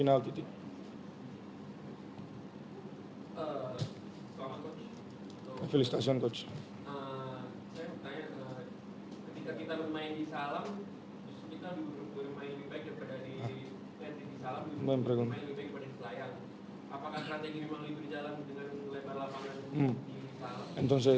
dan kita memiliki kemampuan